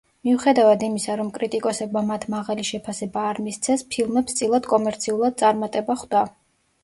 მიუხედავად იმისა, რომ კრიტიკოსებმა მათ მაღალი შეფასება არ მისცეს, ფილმებს წილად კომერციულად წარმატება ხვდა.